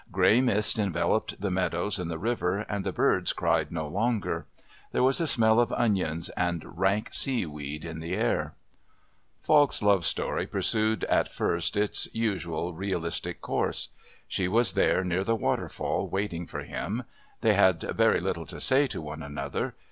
Grey mist enveloped the meadows and the river, and the birds cried no longer. There was a smell of onions and rank seaweed in the air. Falk's love story pursued at first its usual realistic course. She was there near the waterfall waiting for him; they had very little to say to one another.